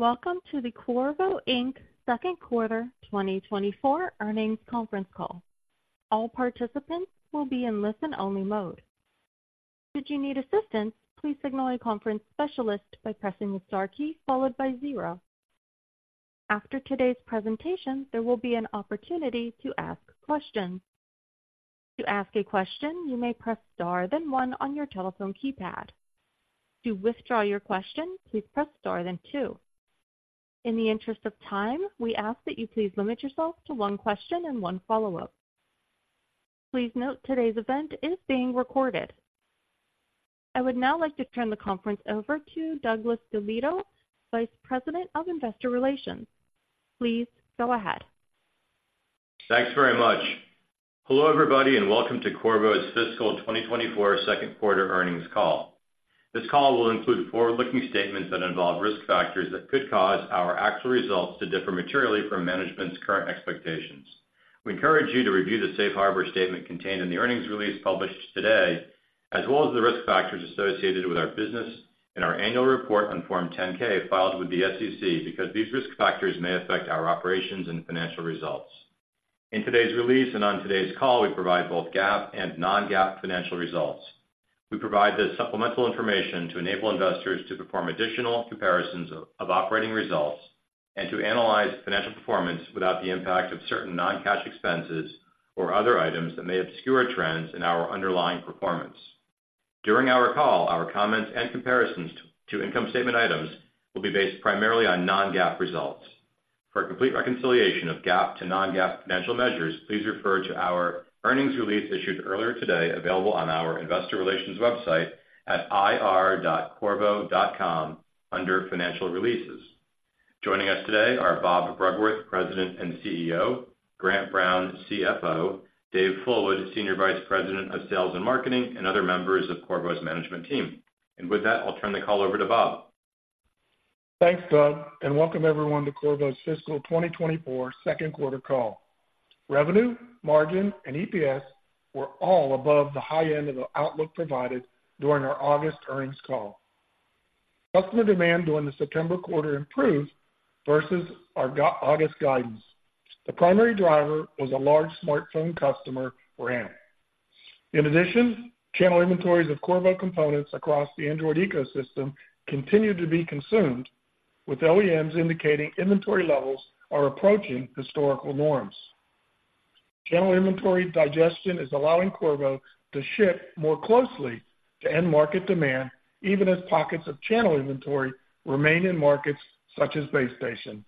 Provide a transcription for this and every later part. Welcome to the Qorvo, Inc. second quarter 2024 earnings conference call. All participants will be in listen-only mode. Should you need assistance, please signal a conference specialist by pressing the star key followed by zero. After today's presentation, there will be an opportunity to ask questions. To ask a question, you may press star then one on your telephone keypad. To withdraw your question, please press star then two. In the interest of time, we ask that you please limit yourself to one question and one follow-up. Please note today's event is being recorded. I would now like to turn the conference over to Douglas DeVito, Vice President of Investor Relations. Please go ahead. Thanks very much. Hello, everybody, and welcome to Qorvo's fiscal 2024 second quarter earnings call. This call will include forward-looking statements that involve risk factors that could cause our actual results to differ materially from management's current expectations. We encourage you to review the safe harbor statement contained in the earnings release published today, as well as the risk factors associated with our business in our annual report on Form 10-K, filed with the SEC, because these risk factors may affect our operations and financial results. In today's release and on today's call, we provide both GAAP and non-GAAP financial results. We provide this supplemental information to enable investors to perform additional comparisons of operating results and to analyze financial performance without the impact of certain non-cash expenses or other items that may obscure trends in our underlying performance. During our call, our comments and comparisons to income statement items will be based primarily on non-GAAP results. For a complete reconciliation of GAAP to non-GAAP financial measures, please refer to our earnings release issued earlier today, available on our investor relations website at ir.qorvo.com under Financial Releases. Joining us today are Bob Bruggeworth, President and CEO, Grant Brown, CFO, Dave Fullwood, Senior Vice President of Sales and Marketing, and other members of Qorvo's management team. With that, I'll turn the call over to Bob. Thanks, Doug, and welcome everyone to Qorvo's fiscal 2024 second quarter call. Revenue, margin, and EPS were all above the high end of the outlook provided during our August earnings call. Customer demand during the September quarter improved versus our August guidance. The primary driver was a large smartphone customer brand. In addition, channel inventories of Qorvo components across the Android ecosystem continued to be consumed, with OEMs indicating inventory levels are approaching historical norms. Channel inventory digestion is allowing Qorvo to ship more closely to end market demand, even as pockets of channel inventory remain in markets such as base station.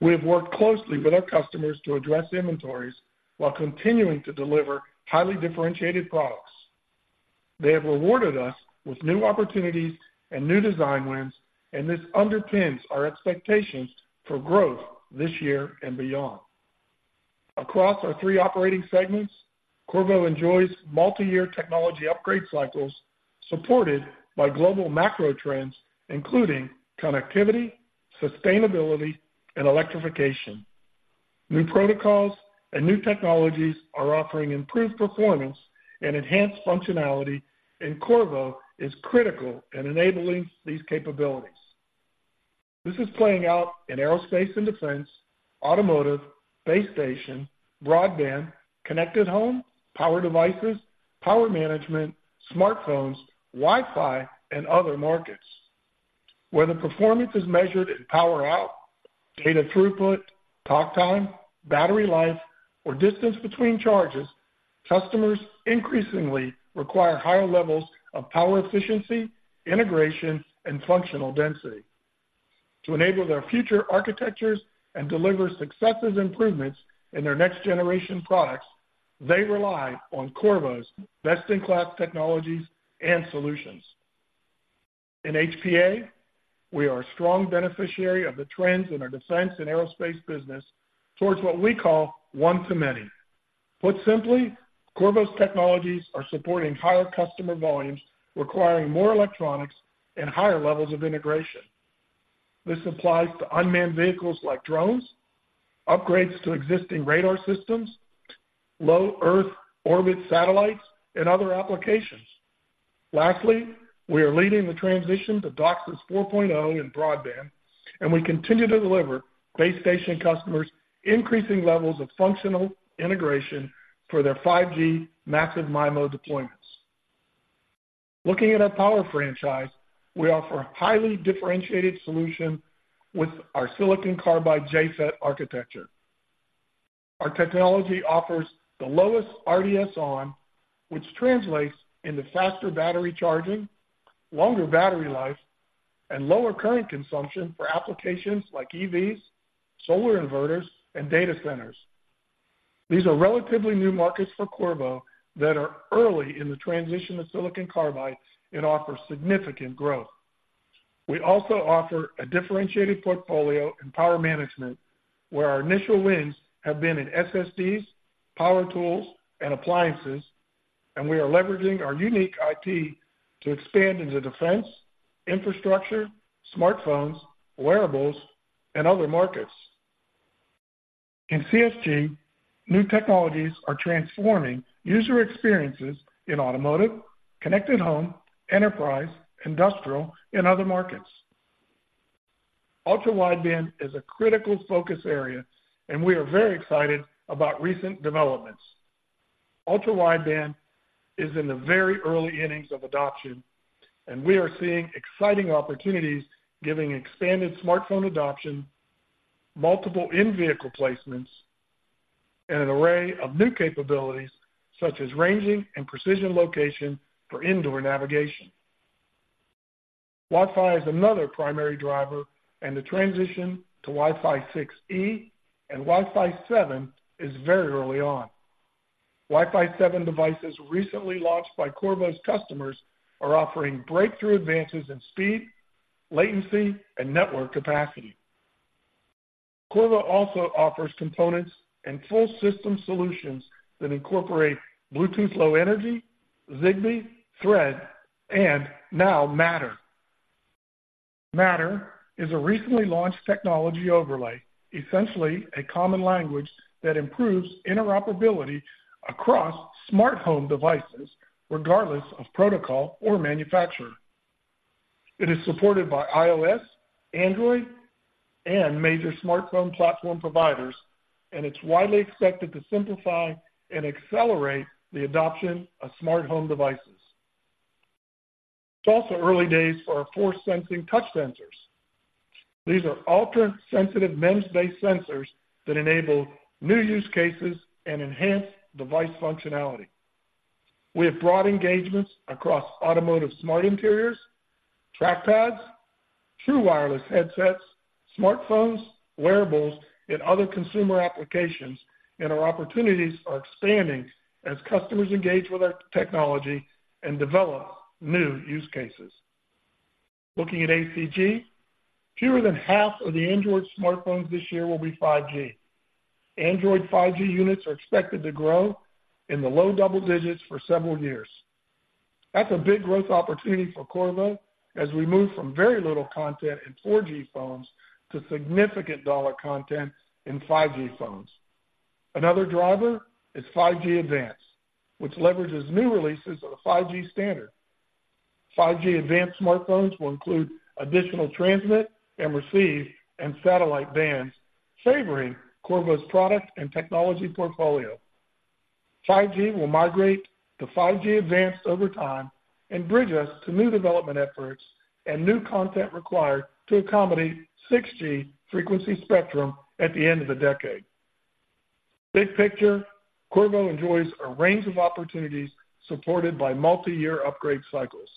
We have worked closely with our customers to address inventories while continuing to deliver highly differentiated products. They have rewarded us with new opportunities and new design wins, and this underpins our expectations for growth this year and beyond. Across our three operating segments, Qorvo enjoys multi-year technology upgrade cycles supported by global macro trends, including connectivity, sustainability, and electrification. New protocols and new technologies are offering improved performance and enhanced functionality, and Qorvo is critical in enabling these capabilities. This is playing out in aerospace and defense, automotive, base station, broadband, connected home, power devices, power management, smartphones, Wi-Fi, and other markets. Where the performance is measured in power out, data throughput, talk time, battery life, or distance between charges, customers increasingly require higher levels of power efficiency, integration, and functional density. To enable their future architectures and deliver successive improvements in their next-generation products, they rely on Qorvo's best-in-class technologies and solutions. In HPA, we are a strong beneficiary of the trends in our defense and aerospace business towards what we call one to many. Put simply, Qorvo's technologies are supporting higher customer volumes, requiring more electronics and higher levels of integration. This applies to unmanned vehicles like drones, upgrades to existing radar systems, low Earth orbit satellites, and other applications. Lastly, we are leading the transition to DOCSIS 4.0 in broadband, and we continue to deliver base station customers increasing levels of functional integration for their 5G massive MIMO deployments. Looking at our power franchise, we offer a highly differentiated solution with our silicon carbide JFET architecture. Our technology offers the lowest RDSon, which translates into faster battery charging, longer battery life, and lower current consumption for applications like EVs, solar inverters, and data centers. These are relatively new markets for Qorvo that are early in the transition to silicon carbide and offer significant growth. We also offer a differentiated portfolio in power management, where our initial wins have been in SSDs, power tools, and appliances, and we are leveraging our unique SiC to expand into defense, infrastructure, smartphones, wearables, and other markets. In CSG, new technologies are transforming user experiences in automotive, connected home, enterprise, industrial, and other markets. Ultra-Wideband is a critical focus area, and we are very excited about recent developments. Ultra-Wideband is in the very early innings of adoption, and we are seeing exciting opportunities giving expanded smartphone adoption, multiple in-vehicle placements, and an array of new capabilities, such as ranging and precision location for indoor navigation. Wi-Fi is another primary driver, and the transition to Wi-Fi 6E and Wi-Fi 7 is very early on. Wi-Fi 7 devices recently launched by Qorvo's customers are offering breakthrough advances in speed, latency, and network capacity. Qorvo also offers components and full system solutions that incorporate Bluetooth Low Energy, Zigbee, Thread, and now Matter. Matter is a recently launched technology overlay, essentially a common language that improves interoperability across smart home devices, regardless of protocol or manufacturer. It is supported by iOS, Android, and major smartphone platform providers, and it's widely expected to simplify and accelerate the adoption of smart home devices. It's also early days for our force sensing touch sensors. These are ultra-sensitive MEMS-based sensors that enable new use cases and enhance device functionality. We have broad engagements across automotive smart interiors, track pads, true wireless headsets, smartphones, wearables, and other consumer applications, and our opportunities are expanding as customers engage with our technology and develop new use cases. Looking at ACG, fewer than half of the Android smartphones this year will be 5G. Android 5G units are expected to grow in the low double digits for several years. That's a big growth opportunity for Qorvo as we move from very little content in 4G phones to significant dollar content in 5G phones. Another driver is 5G Advanced, which leverages new releases of the 5G standard. 5G Advanced smartphones will include additional transmit and receive and satellite bands, favoring Qorvo's product and technology portfolio. 5G will migrate to 5G Advanced over time and bridge us to new development efforts and new content required to accommodate 6G frequency spectrum at the end of the decade. Big picture, Qorvo enjoys a range of opportunities supported by multiyear upgrade cycles.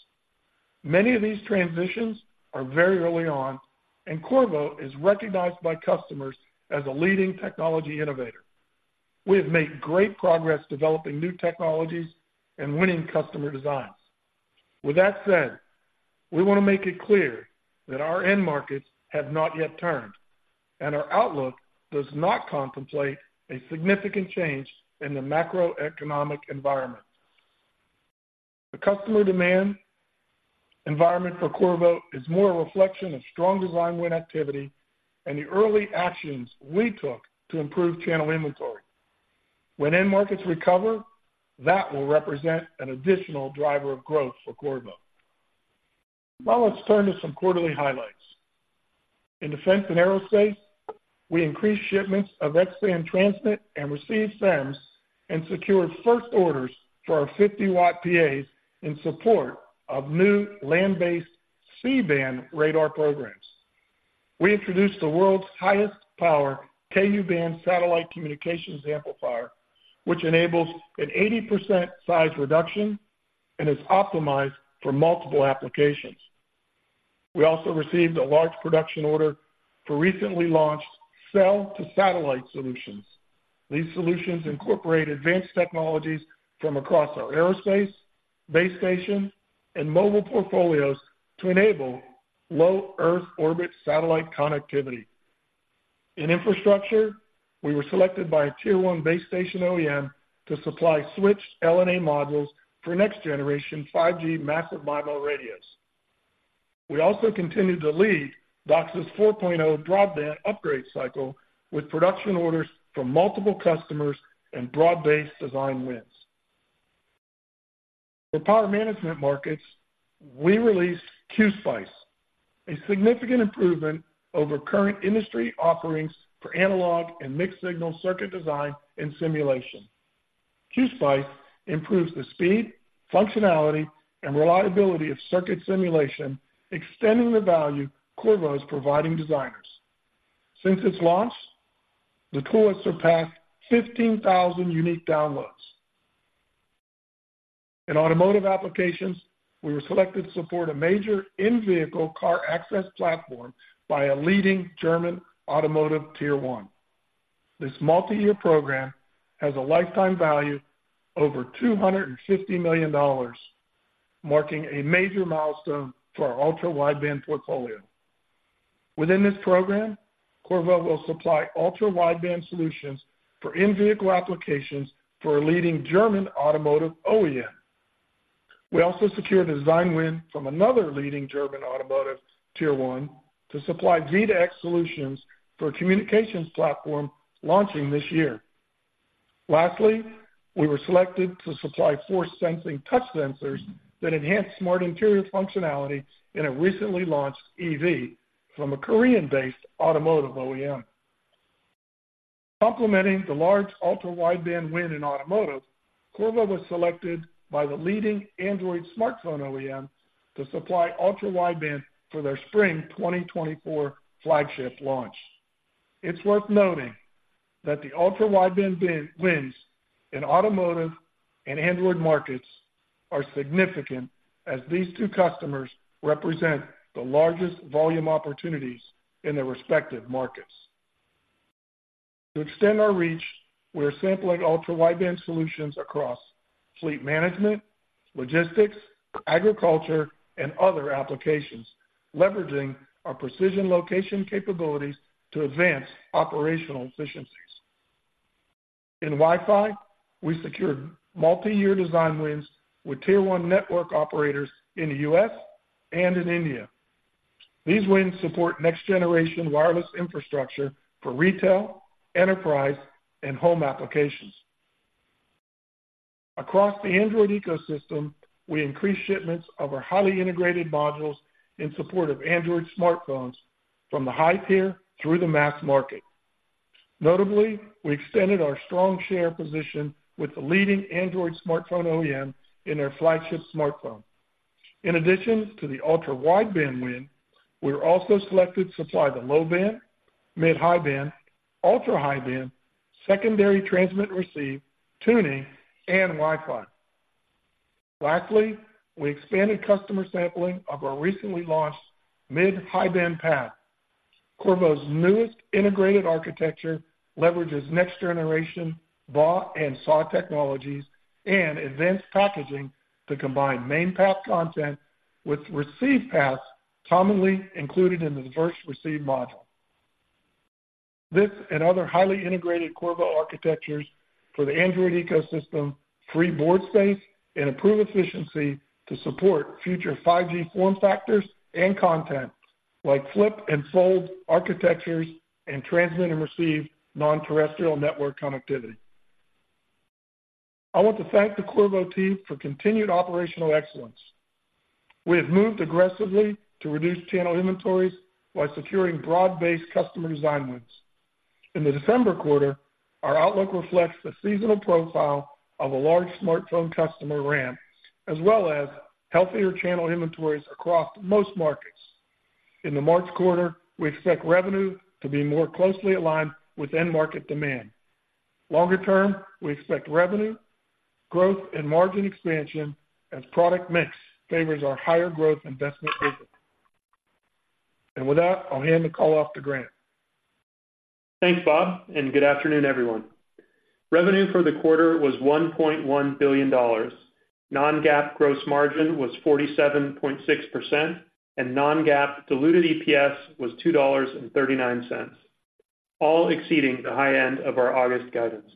Many of these transitions are very early on, and Qorvo is recognized by customers as a leading technology innovator. We have made great progress developing new technologies and winning customer designs. With that said, we wanna make it clear that our end markets have not yet turned, and our outlook does not contemplate a significant change in the macroeconomic environment. The customer demand environment for Qorvo is more a reflection of strong design win activity and the early actions we took to improve channel inventory. When end markets recover, that will represent an additional driver of growth for Qorvo. Now, let's turn to some quarterly highlights. In defense and aerospace, we increased shipments of X-Band transmit and receive FEMs and secured first orders for our 50-watt PAs in support of new land-based C-Band radar programs. We introduced the world's highest power Ku-Band satellite communications amplifier, which enables an 80% size reduction and is optimized for multiple applications. We also received a large production order for recently launched cell-to-satellite solutions. These solutions incorporate advanced technologies from across our aerospace, base station, and mobile portfolios to enable low Earth orbit satellite connectivity. In infrastructure, we were selected by a Tier 1 base station OEM to supply switched LNA modules for next-generation 5G massive MIMO radios. We also continued to lead DOCSIS 4.0 broadband upgrade cycle with production orders from multiple customers and broad-based design wins. For power management markets, we released QSPICE, a significant improvement over current industry offerings for analog and mixed-signal circuit design and simulation. QSPICE improves the speed, functionality, and reliability of circuit simulation, extending the value Qorvo is providing designers. Since its launch, the tool has surpassed 15,000 unique downloads. In automotive applications, we were selected to support a major in-vehicle car access platform by a leading German automotive Tier One. This multiyear program has a lifetime value over $250 million, marking a major milestone for our ultra-wideband portfolio. Within this program, Qorvo will supply ultra-wideband solutions for in-vehicle applications for a leading German automotive OEM. We also secured a design win from another leading German automotive Tier One to supply V2X solutions for a communications platform launching this year. Lastly, we were selected to supply force sensing touch sensors that enhance smart interior functionality in a recently launched EV from a Korean-based automotive OEM. Complementing the large ultra-wideband win in automotive, Qorvo was selected by the leading Android smartphone OEM to supply ultra-wideband for their spring 2024 flagship launch. It's worth noting that the ultra-wideband band wins in automotive and Android markets are significant, as these two customers represent the largest volume opportunities in their respective markets. To extend our reach, we are sampling ultra-wideband solutions across fleet management, logistics, agriculture, and other applications, leveraging our precision location capabilities to advance operational efficiencies. In Wi-Fi, we secured multiyear design wins with Tier 1 network operators in the U.S. and in India. These wins support next generation wireless infrastructure for retail, enterprise, and home applications. Across the Android ecosystem, we increased shipments of our highly integrated modules in support of Android smartphones from the high tier through the mass market. Notably, we extended our strong share position with the leading Android smartphone OEM in their flagship smartphone. In addition to the ultra-wideband win, we were also selected to supply the low band, mid-high band, ultra-high band, secondary transmit receive, tuning and Wi-Fi. Lastly, we expanded customer sampling of our recently launched mid-high band PAD. Qorvo's newest integrated architecture leverages next generation BAW and SAW technologies and advanced packaging to combine main path content with receive paths commonly included in the diverse receive module. This and other highly integrated Qorvo architectures for the Android ecosystem free board space and improve efficiency to support future 5G form factors and content like flip and fold architectures and transmit and receive non-terrestrial network connectivity. I want to thank the Qorvo team for continued operational excellence. We have moved aggressively to reduce channel inventories by securing broad-based customer design wins. In the December quarter, our outlook reflects the seasonal profile of a large smartphone customer ramp, as well as healthier channel inventories across most markets. In the March quarter, we expect revenue to be more closely aligned with end market demand. Longer term, we expect revenue, growth and margin expansion as product mix favors our higher growth investment business. With that, I'll hand the call off to Grant. Thanks, Bob, and good afternoon, everyone. Revenue for the quarter was $1.1 billion. Non-GAAP gross margin was 47.6%, and non-GAAP diluted EPS was $2.39, all exceeding the high end of our August guidance.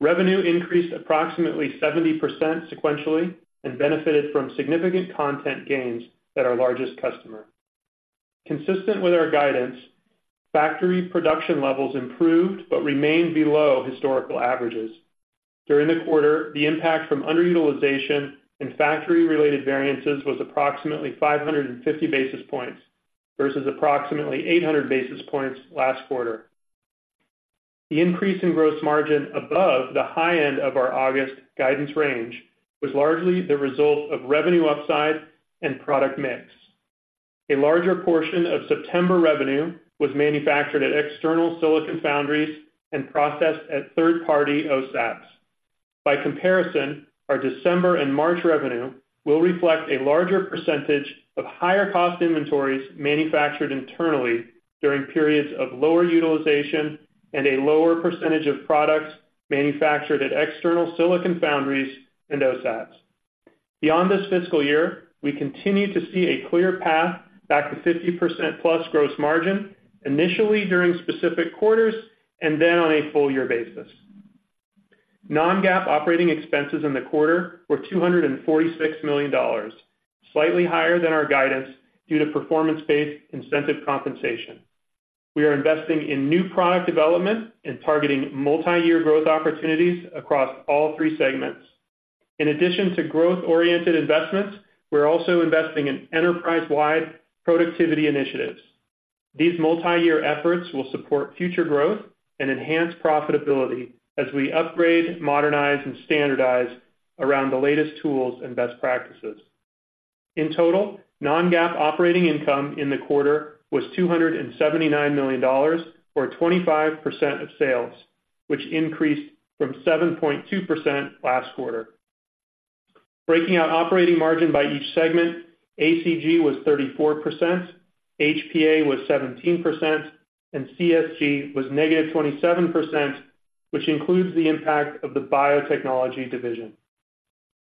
Revenue increased approximately 70% sequentially and benefited from significant content gains at our largest customer. Consistent with our guidance, factory production levels improved but remained below historical averages. During the quarter, the impact from underutilization and factory-related variances was approximately 550 basis points, versus approximately 800 basis points last quarter. The increase in gross margin above the high end of our August guidance range was largely the result of revenue upside and product mix. A larger portion of September revenue was manufactured at external silicon foundries and processed at third-party OSATs. By comparison, our December and March revenue will reflect a larger percentage of higher cost inventories manufactured internally during periods of lower utilization and a lower percentage of products manufactured at external silicon foundries and OSATs. Beyond this fiscal year, we continue to see a clear path back to 50%+ gross margin, initially during specific quarters and then on a full year basis. Non-GAAP operating expenses in the quarter were $246 million, slightly higher than our guidance due to performance-based incentive compensation. We are investing in new product development and targeting multi-year growth opportunities across all three segments. In addition to growth-oriented investments, we're also investing in enterprise-wide productivity initiatives. These multi-year efforts will support future growth and enhance profitability as we upgrade, modernize, and standardize around the latest tools and best practices. In total, non-GAAP operating income in the quarter was $279 million, or 25% of sales, which increased from 7.2% last quarter. Breaking out operating margin by each segment, ACG was 34%, HPA was 17%, and CSG was -27%, which includes the impact of the biotechnology division.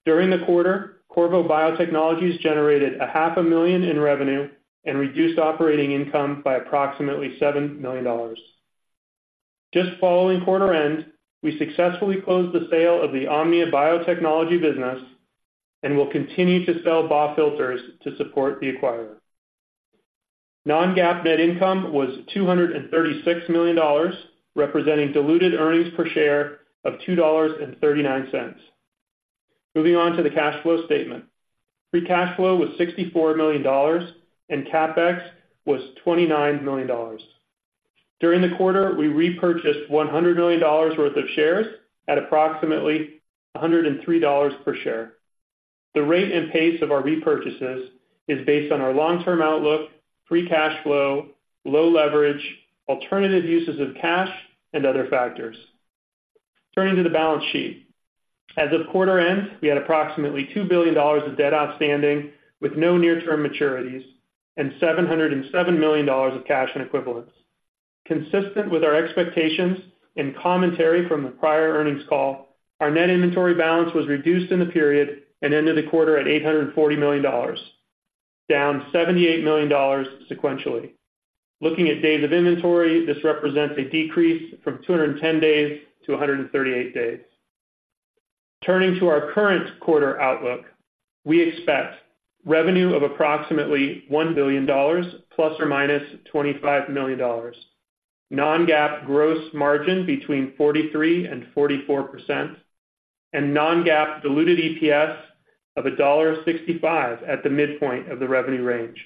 During the quarter, Qorvo Biotechnologies generated $500,000 in revenue and reduced operating income by approximately $7 million.... Just following quarter end, we successfully closed the sale of the OmniAb Biotechnology business and will continue to sell BAW filters to support the acquirer. Non-GAAP net income was $236 million, representing diluted earnings per share of $2.39. Moving on to the cash flow statement. Free cash flow was $64 million, and CapEx was $29 million. During the quarter, we repurchased $100 million worth of shares at approximately $103 per share. The rate and pace of our repurchases is based on our long-term outlook, free cash flow, low leverage, alternative uses of cash, and other factors. Turning to the balance sheet. As of quarter end, we had approximately $2 billion of debt outstanding, with no near-term maturities, and $707 million of cash and equivalents. Consistent with our expectations and commentary from the prior earnings call, our net inventory balance was reduced in the period and ended the quarter at $840 million, down $78 million sequentially. Looking at days of inventory, this represents a decrease from 210 days to 138 days. Turning to our current quarter outlook, we expect revenue of approximately $1 billion ±$25 million, non-GAAP gross margin between 43%-44%, and non-GAAP diluted EPS of $1.65 at the midpoint of the revenue range.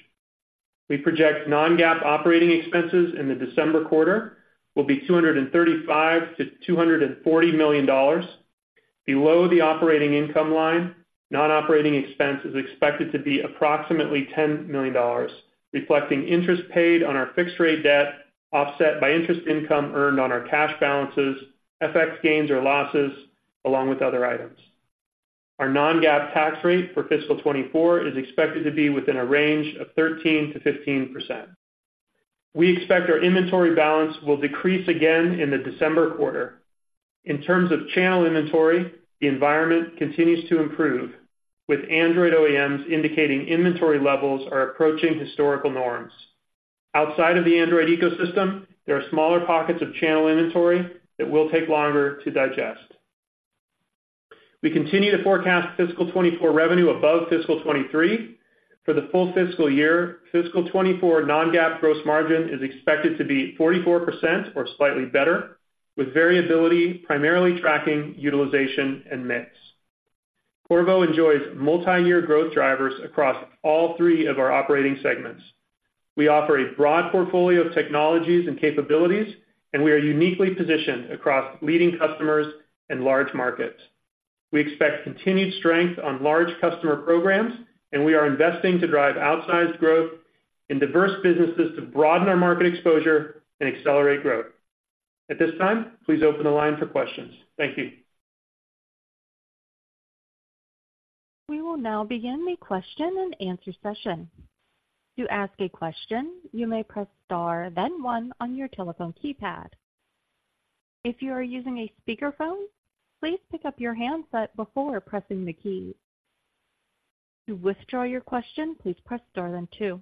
We project non-GAAP operating expenses in the December quarter will be $235 million-$240 million. Below the operating income line, non-operating expense is expected to be approximately $10 million, reflecting interest paid on our fixed rate debt, offset by interest income earned on our cash balances, FX gains or losses, along with other items. Our non-GAAP tax rate for fiscal 2024 is expected to be within a range of 13%-15%. We expect our inventory balance will decrease again in the December quarter. In terms of channel inventory, the environment continues to improve, with Android OEMs indicating inventory levels are approaching historical norms. Outside of the Android ecosystem, there are smaller pockets of channel inventory that will take longer to digest. We continue to forecast fiscal 2024 revenue above fiscal 2023. For the full fiscal year, fiscal 2024 non-GAAP gross margin is expected to be 44% or slightly better, with variability primarily tracking, utilization, and mix. Qorvo enjoys multiyear growth drivers across all three of our operating segments. We offer a broad portfolio of technologies and capabilities, and we are uniquely positioned across leading customers and large markets. We expect continued strength on large customer programs, and we are investing to drive outsized growth in diverse businesses to broaden our market exposure and accelerate growth. At this time, please open the line for questions. Thank you. We will now begin the question-and-answer session. To ask a question, you may press star, then one on your telephone keypad. If you are using a speakerphone, please pick up your handset before pressing the key. To withdraw your question, please press star then two.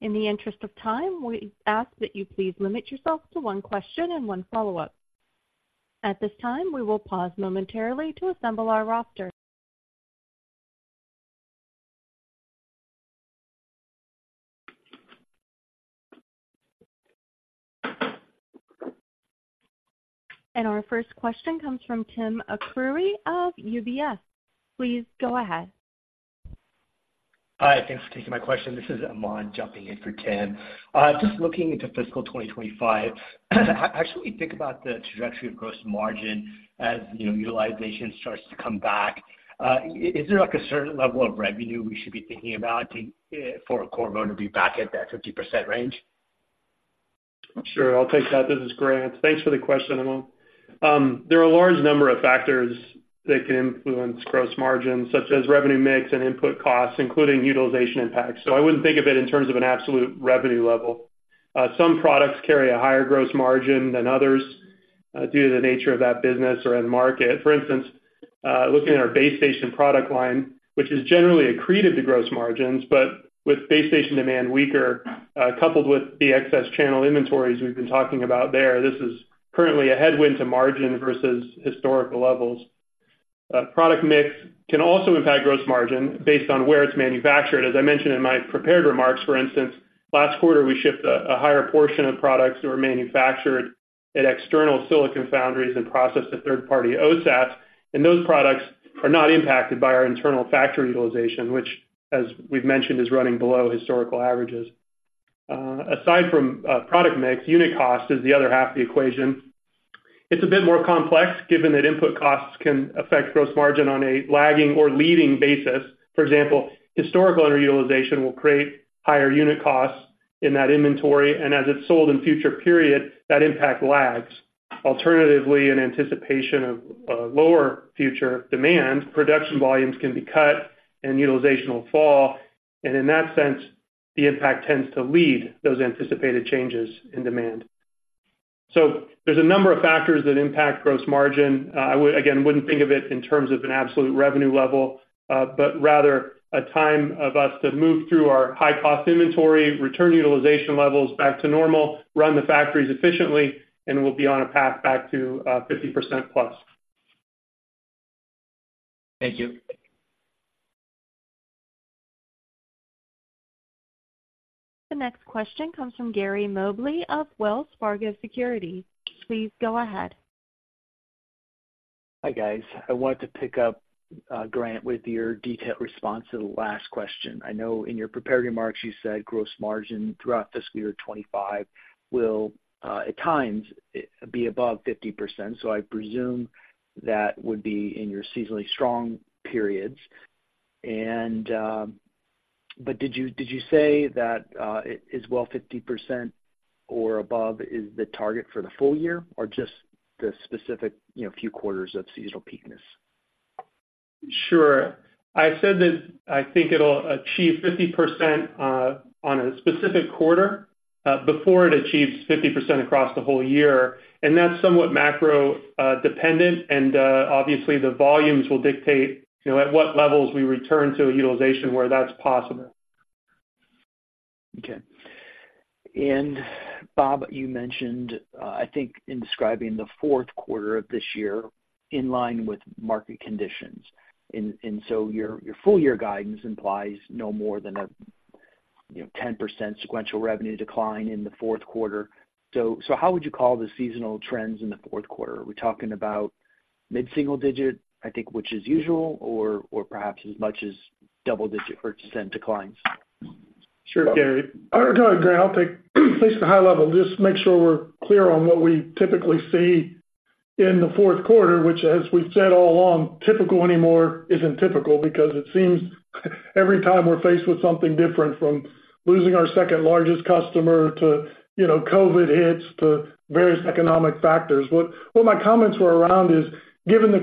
In the interest of time, we ask that you please limit yourself to one question and one follow-up. At this time, we will pause momentarily to assemble our roster. Our first question comes from Tim Arcuri of UBS. Please go ahead. Hi, thanks for taking my question. This is Aman jumping in for Tim. Just looking into fiscal 2025, how should we think about the trajectory of gross margin as, you know, utilization starts to come back? Is there, like, a certain level of revenue we should be thinking about for Qorvo to be back at that 50% range? Sure, I'll take that. This is Grant. Thanks for the question, Aman. There are a large number of factors that can influence gross margin, such as revenue mix and input costs, including utilization impact. So I wouldn't think of it in terms of an absolute revenue level. Some products carry a higher gross margin than others, due to the nature of that business or end market. For instance, looking at our base station product line, which is generally accretive to gross margins, but with base station demand weaker, coupled with the excess channel inventories we've been talking about there, this is currently a headwind to margin versus historical levels. Product mix can also impact gross margin based on where it's manufactured. As I mentioned in my prepared remarks, for instance, last quarter, we shipped a higher portion of products that were manufactured at external silicon foundries and processed at third-party OSATs, and those products are not impacted by our internal factory utilization, which, as we've mentioned, is running below historical averages. Aside from product mix, unit cost is the other half of the equation. It's a bit more complex, given that input costs can affect gross margin on a lagging or leading basis. For example, historical underutilization will create higher unit costs in that inventory, and as it's sold in future periods, that impact lags. Alternatively, in anticipation of lower future demand, production volumes can be cut and utilization will fall, and in that sense, the impact tends to lead those anticipated changes in demand. So there's a number of factors that impact gross margin. I would, again, wouldn't think of it in terms of an absolute revenue level, but rather a time of us to move through our high-cost inventory, return utilization levels back to normal, run the factories efficiently, and we'll be on a path back to 50% plus.... Thank you. The next question comes from Gary Mobley of Wells Fargo Security. Please go ahead. Hi, guys. I wanted to pick up, Grant, with your detailed response to the last question. I know in your prepared remarks, you said gross margin throughout fiscal year 2025 will, at times, be above 50%. So I presume that would be in your seasonally strong periods. And, but did you, did you say that, it is well, 50% or above is the target for the full year, or just the specific, you know, few quarters of seasonal peakness? Sure. I said that I think it'll achieve 50%, on a specific quarter, before it achieves 50% across the whole year, and that's somewhat macro, dependent, and, obviously, the volumes will dictate, you know, at what levels we return to a utilization where that's possible. Okay. And Bob, you mentioned, I think in describing the fourth quarter of this year, in line with market conditions, and so your full year guidance implies no more than a, you know, 10% sequential revenue decline in the fourth quarter. So how would you call the seasonal trends in the fourth quarter? Are we talking about mid-single digit, I think, which is usual, or perhaps as much as double-digit % declines? Sure, Gary. No, Grant, I'll take at least the high level, just to make sure we're clear on what we typically see in the fourth quarter, which as we've said all along, typical anymore isn't typical because it seems every time we're faced with something different from losing our second largest customer to, you know, COVID hits, to various economic factors. What my comments were around is, given the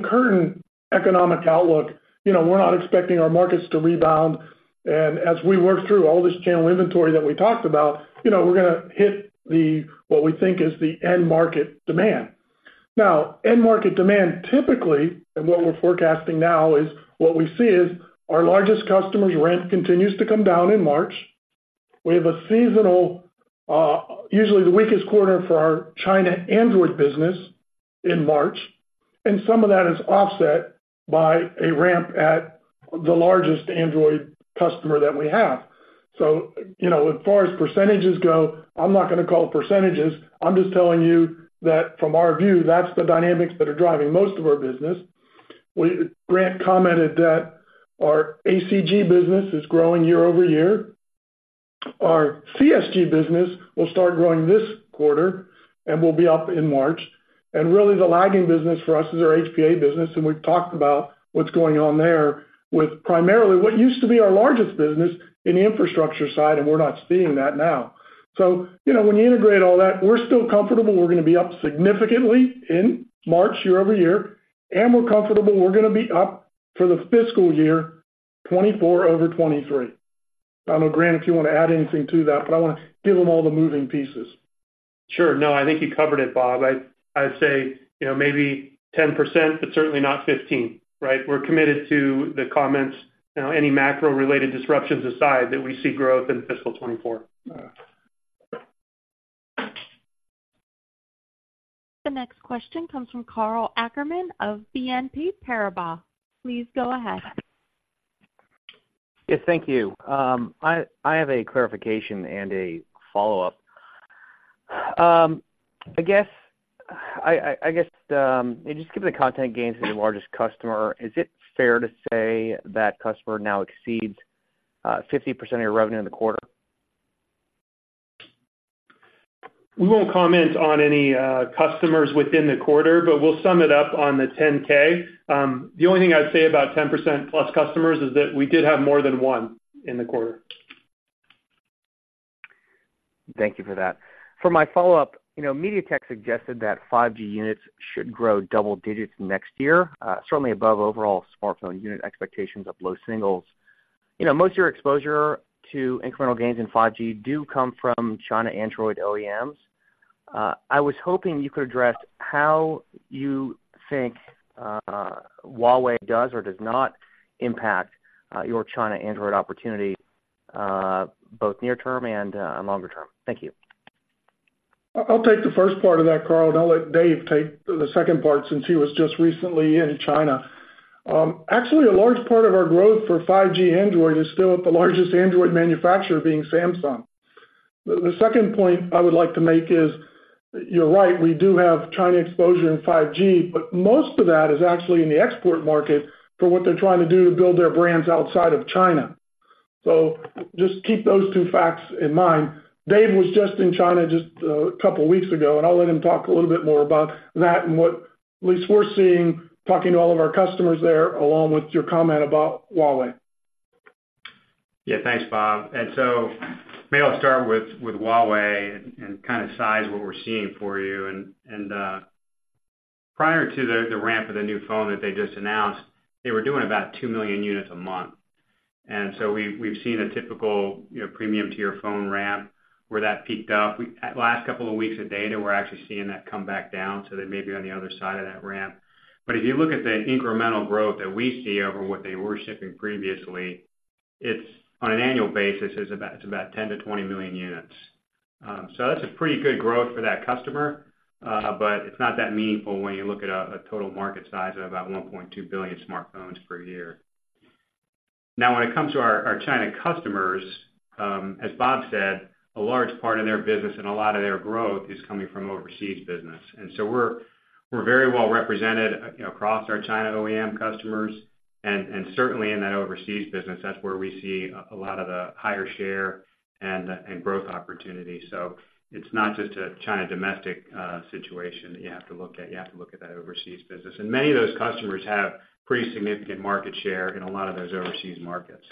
current economic outlook, you know, we're not expecting our markets to rebound. And as we work through all this channel inventory that we talked about, you know, we're gonna hit the, what we think is the end market demand. Now, end market demand, typically, and what we're forecasting now is what we see is our largest customer's run rate continues to come down in March. We have a seasonal, usually the weakest quarter for our China Android business in March, and some of that is offset by a ramp at the largest Android customer that we have. So, you know, as far as percentages go, I'm not gonna call percentages. I'm just telling you that from our view, that's the dynamics that are driving most of our business. Grant commented that our ACG business is growing year-over-year. Our CSG business will start growing this quarter and will be up in March. And really, the lagging business for us is our HPA business, and we've talked about what's going on there with primarily what used to be our largest business in the infrastructure side, and we're not seeing that now. So, you know, when you integrate all that, we're still comfortable we're gonna be up significantly in March year-over-year, and we're comfortable we're gonna be up for the fiscal year 2024 over 2023. I don't know, Grant, if you wanna add anything to that, but I wanna give them all the moving pieces. Sure. No, I think you covered it, Bob. I'd say, you know, maybe 10%, but certainly not 15%, right? We're committed to the comments, you know, any macro-related disruptions aside, that we see growth in fiscal 2024. Uh. The next question comes from Karl Ackerman of BNP Paribas. Please go ahead. Yes, thank you. I have a clarification and a follow-up. I guess just given the content gains of your largest customer, is it fair to say that customer now exceeds 50% of your revenue in the quarter? We won't comment on any customers within the quarter, but we'll sum it up on the 10-K. The only thing I'd say about 10%+ customers is that we did have more than one in the quarter. Thank you for that. For my follow-up, you know, MediaTek suggested that 5G units should grow double digits next year, certainly above overall smartphone unit expectations of low singles. You know, most of your exposure to incremental gains in 5G do come from China Android OEMs. I was hoping you could address how you think, Huawei does or does not impact, your China Android opportunity, both near term and, longer term. Thank you. I'll take the first part of that, Karl, and I'll let Dave take the second part, since he was just recently in China. Actually, a large part of our growth for 5G Android is still at the largest Android manufacturer, being Samsung. The second point I would like to make is, you're right, we do have China exposure in 5G, but most of that is actually in the export market for what they're trying to do to build their brands outside of China. So just keep those two facts in mind. Dave was just in China just a couple weeks ago, and I'll let him talk a little bit more about that and what at least we're seeing, talking to all of our customers there, along with your comment about Huawei. Yeah, thanks, Bob. And so maybe I'll start with Huawei and kind of size what we're seeing for you. And prior to the ramp of the new phone that they just announced, they were doing about 2 million units a month. And so we, we've seen a typical, you know, premium-tier phone ramp where that peaked up. We're at the last couple of weeks of data, we're actually seeing that come back down, so they may be on the other side of that ramp. But if you look at the incremental growth that we see over what they were shipping previously, it's, on an annual basis, it's about 10-20 million units. So that's a pretty good growth for that customer. But it's not that meaningful when you look at a total market size of about 1.2 billion smartphones per year. Now, when it comes to our China customers, as Bob said, a large part of their business and a lot of their growth is coming from overseas business. And so we're very well represented, you know, across our China OEM customers, and certainly in that overseas business, that's where we see a lot of the higher share and growth opportunities. So it's not just a China domestic situation that you have to look at, you have to look at that overseas business. And many of those customers have pretty significant market share in a lot of those overseas markets.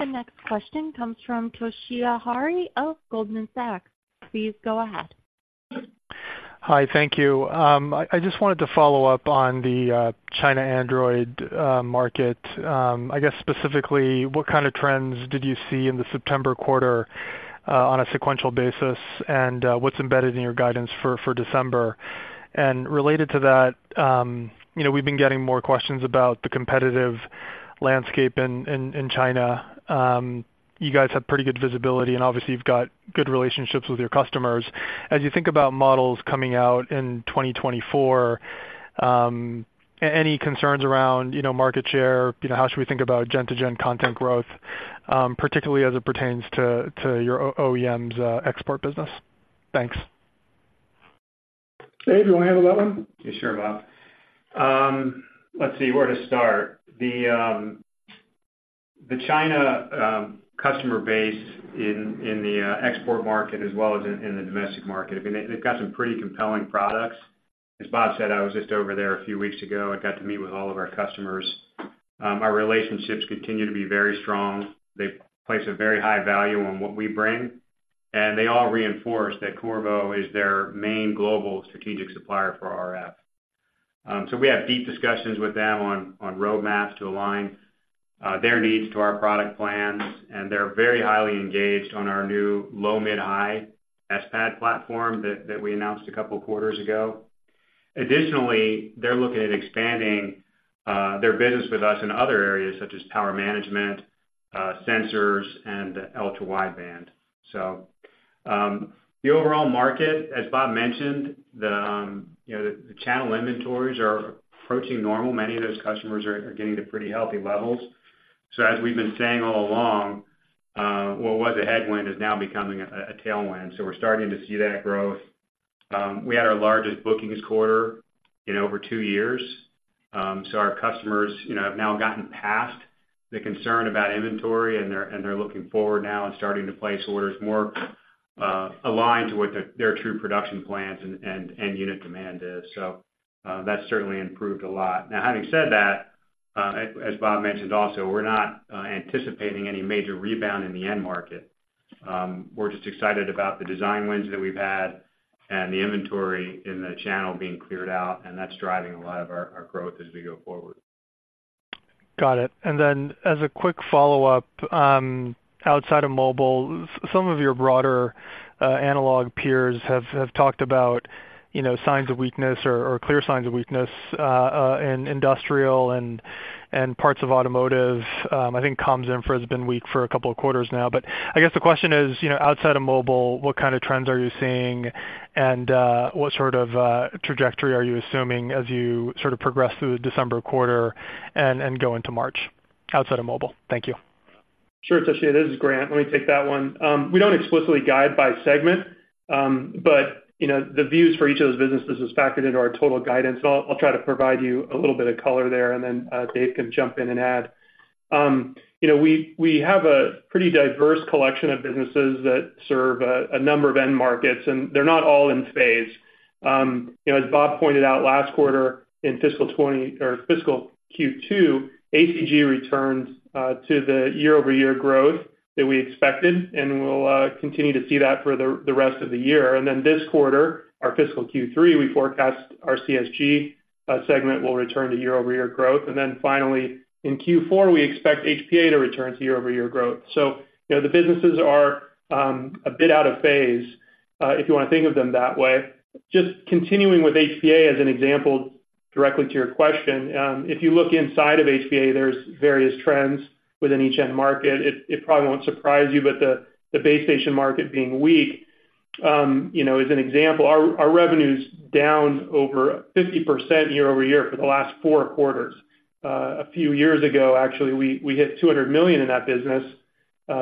The next question comes from Toshiya Hari of Goldman Sachs. Please go ahead. Hi, thank you. I just wanted to follow up on the China Android market. I guess, specifically, what kind of trends did you see in the September quarter on a sequential basis? And, what's embedded in your guidance for December? And related to that, you know, we've been getting more questions about the competitive landscape in China. You guys have pretty good visibility, and obviously, you've got good relationships with your customers. As you think about models coming out in 2024, any concerns around, you know, market share? You know, how should we think about gen to gen content growth, particularly as it pertains to your OEMs export business? Thanks. Dave, you wanna handle that one? Yeah, sure, Bob. Let's see, where to start. The China customer base in the export market as well as in the domestic market, I mean, they've got some pretty compelling products. As Bob said, I was just over there a few weeks ago. I got to meet with all of our customers. Our relationships continue to be very strong. They place a very high value on what we bring, and they all reinforce that Qorvo is their main global strategic supplier for RF. So we have deep discussions with them on roadmaps to align their needs to our product plans, and they're very highly engaged on our new low, mid, high PAD platform that we announced a couple of quarters ago. Additionally, they're looking at expanding their business with us in other areas such as power management, sensors, and L-PAMiDs to Wi-Fi. So, the overall market, as Bob mentioned, you know, the channel inventories are approaching normal. Many of those customers are getting to pretty healthy levels. So as we've been saying all along, what was a headwind is now becoming a tailwind, so we're starting to see that growth. We had our largest bookings quarter in over two years. So our customers, you know, have now gotten past the concern about inventory, and they're looking forward now and starting to place orders more aligned to what their true production plans and unit demand is. So, that's certainly improved a lot. Now, having said that, as Bob mentioned also, we're not anticipating any major rebound in the end market. We're just excited about the design wins that we've had and the inventory in the channel being cleared out, and that's driving a lot of our growth as we go forward. Got it. And then as a quick follow-up, outside of mobile, some of your broader analog peers have talked about, you know, signs of weakness or clear signs of weakness in industrial and parts of automotive. I think comms infra has been weak for a couple of quarters now. But I guess the question is, you know, outside of mobile, what kind of trends are you seeing? And what sort of trajectory are you assuming as you sort of progress through the December quarter and go into March, outside of mobile? Thank you. Sure, Toshiya, this is Grant. Let me take that one. We don't explicitly guide by segment, but, you know, the views for each of those businesses is factored into our total guidance. I'll try to provide you a little bit of color there, and then Dave can jump in and add. You know, we have a pretty diverse collection of businesses that serve a number of end markets, and they're not all in phase. You know, as Bob pointed out, last quarter, in fiscal 2020 or fiscal Q2, ACG returned to the year-over-year growth that we expected, and we'll continue to see that for the rest of the year. This quarter, our fiscal Q3, we forecast our CSG segment will return to year-over-year growth. And then finally, in Q4, we expect HPA to return to year-over-year growth. So, you know, the businesses are a bit out of phase, if you wanna think of them that way. Just continuing with HPA as an example, directly to your question, if you look inside of HPA, there's various trends within each end market. It probably won't surprise you, but the base station market being weak, you know, as an example, our revenue's down over 50% year-over-year for the last four quarters. A few years ago, actually, we hit $200 million in that business,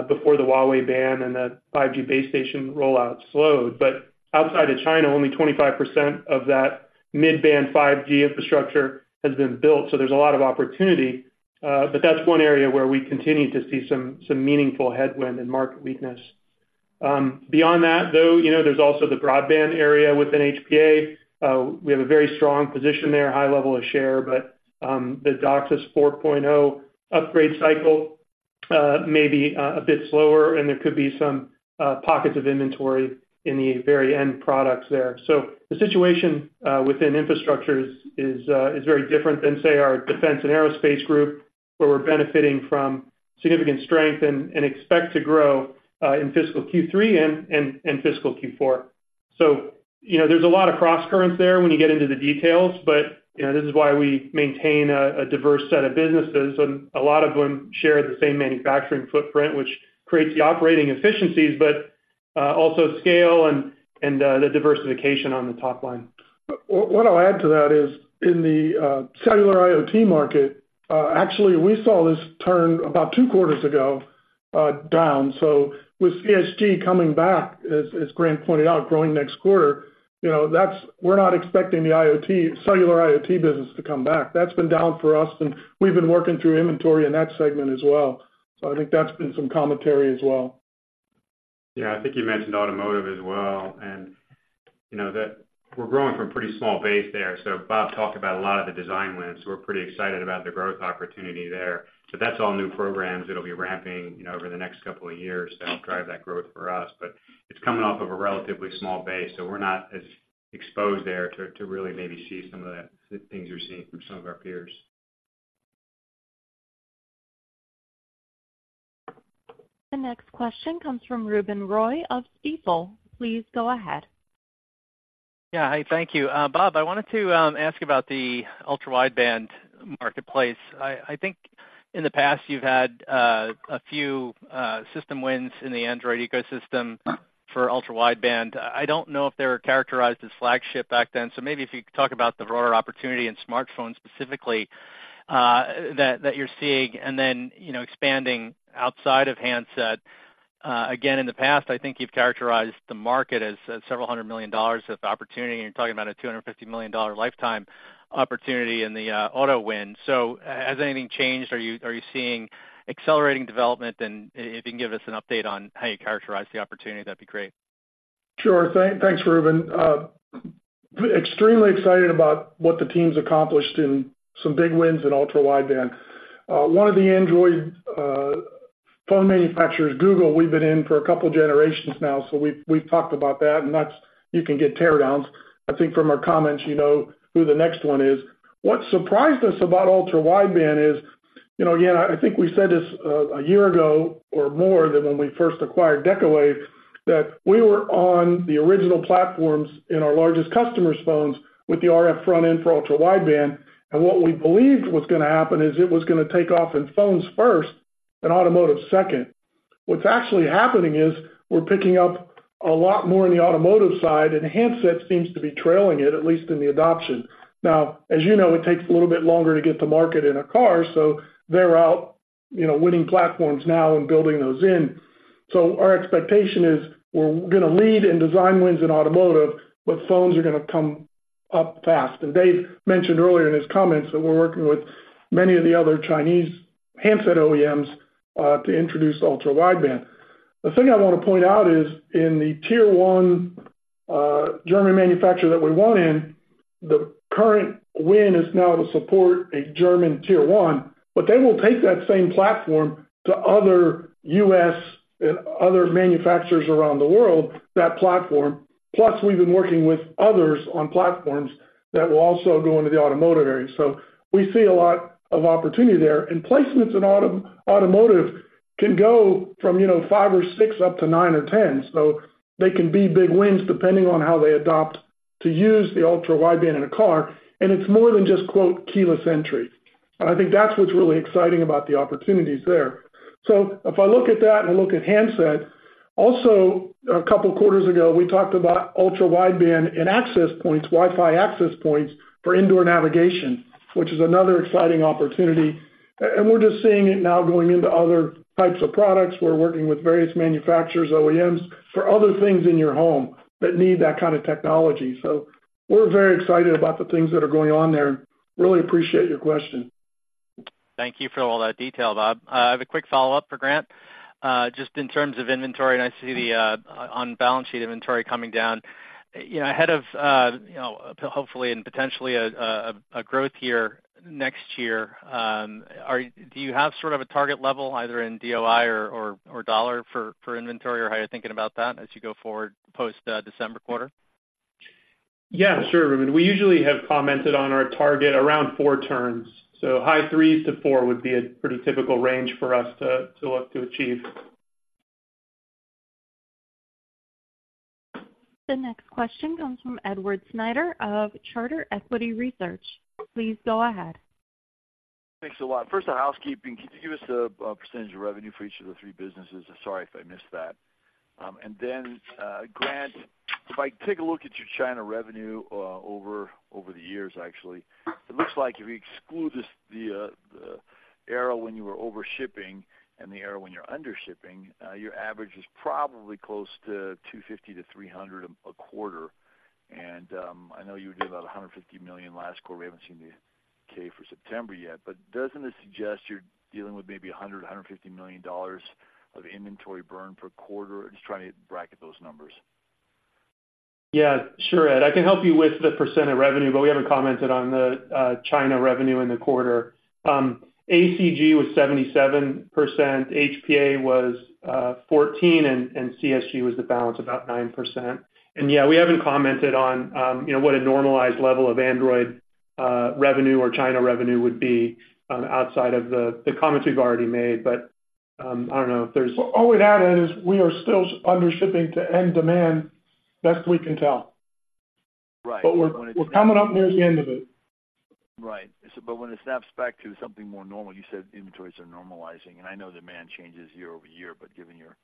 before the Huawei ban and the 5G base station rollout slowed. But outside of China, only 25% of that mid-band 5G infrastructure has been built, so there's a lot of opportunity. That's one area where we continue to see some meaningful headwind and market weakness. Beyond that, though, you know, there's also the broadband area within HPA. We have a very strong position there, high level of share, but the DOCSIS 4.0 upgrade cycle may be a bit slower, and there could be some pockets of inventory in the very end products there. So the situation within infrastructures is very different than, say, our defense and aerospace group, where we're benefiting from significant strength and expect to grow in fiscal Q3 and fiscal Q4... So, you know, there's a lot of cross currents there when you get into the details, but, you know, this is why we maintain a diverse set of businesses, and a lot of them share the same manufacturing footprint, which creates the operating efficiencies, but also scale and the diversification on the top line. What I'll add to that is in the cellular IoT market, actually, we saw this turn about two quarters ago, down. So with CSG coming back, as Grant pointed out, growing next quarter, you know, that's - we're not expecting the IoT, cellular IoT business to come back. That's been down for us, and we've been working through inventory in that segment as well. So I think that's been some commentary as well. Yeah, I think you mentioned automotive as well, and, you know, that we're growing from a pretty small base there. So Bob talked about a lot of the design wins. We're pretty excited about the growth opportunity there. So that's all new programs that'll be ramping, you know, over the next couple of years to help drive that growth for us. But it's coming off of a relatively small base, so we're not as exposed there to really maybe see some of the things you're seeing from some of our peers. The next question comes from Ruben Roy of Stifel. Please go ahead. Yeah. Hi, thank you. Bob, I wanted to ask about the ultra-wideband marketplace. I think in the past, you've had a few system wins in the Android ecosystem for ultra-wideband. I don't know if they were characterized as flagship back then. So maybe if you could talk about the broader opportunity in smartphones, specifically that you're seeing, and then, you know, expanding outside of handset. Again, in the past, I think you've characterized the market as several hundred million dollars of opportunity, and you're talking about a $250 million lifetime opportunity in the auto win. So has anything changed? Are you seeing accelerating development? And if you can give us an update on how you characterize the opportunity, that'd be great. Sure. Thanks, Ruben. Extremely excited about what the team's accomplished in some big wins in ultra-wideband. One of the Android phone manufacturers, Google, we've been in for a couple generations now, so we've, we've talked about that, and that's—you can get tear downs. I think from our comments, you know who the next one is. What surprised us about ultra-wideband is, you know, yeah, I think we said this a year ago or more than when we first acquired Decawave, that we were on the original platforms in our largest customers' phones with the RF front end for ultra-wideband. And what we believed was gonna happen is it was gonna take off in phones first and automotive second. What's actually happening is we're picking up a lot more in the automotive side, and handset seems to be trailing it, at least in the adoption. Now, as you know, it takes a little bit longer to get to market in a car, so they're out, you know, winning platforms now and building those in. So our expectation is we're gonna lead in design wins in automotive, but phones are gonna come up fast. And Dave mentioned earlier in his comments that we're working with many of the other Chinese handset OEMs to introduce ultra-wideband. The thing I wanna point out is in the Tier 1 German manufacturer that we won in, the current win is now to support a German Tier 1, but they will take that same platform to other U.S. and other manufacturers around the world, that platform, plus we've been working with others on platforms that will also go into the automotive area. So we see a lot of opportunity there. Placements in automotive can go from, you know, 5 or 6 up to 9 or 10. So they can be big wins depending on how they adopt to use the ultra-wideband in a car, and it's more than just “keyless entry.” And I think that's what's really exciting about the opportunities there. So if I look at that and I look at handset, also, a couple of quarters ago, we talked about ultra-wideband and access points, Wi-Fi access points for indoor navigation, which is another exciting opportunity. And we're just seeing it now going into other types of products. We're working with various manufacturers, OEMs, for other things in your home that need that kind of technology. So we're very excited about the things that are going on there. Really appreciate your question. Thank you for all that detail, Bob. I have a quick follow-up for Grant. Just in terms of inventory, and I see the on balance sheet inventory coming down. You know, ahead of, you know, hopefully and potentially a growth year next year, do you have sort of a target level either in DOI or dollar for inventory, or how you're thinking about that as you go forward post December quarter? Yeah, sure, Ruben. We usually have commented on our target around four turns, so high threes to four would be a pretty typical range for us to, to look to achieve. The next question comes from Edward Snyder of Charter Equity Research. Please go ahead. Thanks a lot. First, a housekeeping. Can you give us a percentage of revenue for each of the three businesses? Sorry if I missed that. And then, Grant, if I take a look at your China revenue, over the years, actually, it looks like if you exclude the era when you were overshipping and the era when you're undershipping, your average is probably close to 250-300 a quarter. I know you did about $150 million last quarter. We haven't seen the K for September yet. But doesn't this suggest you're dealing with maybe $100-$150 million of inventory burn per quarter? I'm just trying to bracket those numbers. Yeah, sure, Ed. I can help you with the percent of revenue, but we haven't commented on the China revenue in the quarter. ACG was 77%, HPA was 14%, and CSG was the balance, about 9%. And yeah, we haven't commented on, you know, what a normalized level of Android revenue or China revenue would be outside of the comments we've already made, but I don't know if there's- All we'd add is we are still under shipping to end demand, best we can tell. Right. But we're coming up near the end of it. Right. But when it snaps back to something more normal, you said inventories are normalizing, and I know demand changes year over year, but given your